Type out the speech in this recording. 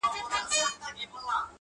زه يې د ميني په چل څنگه پوه كړم؟